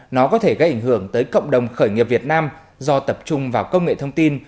nó có thể gây ảnh hưởng tới cộng đồng khởi nghiệp việt nam do tập trung vào công nghệ thông tin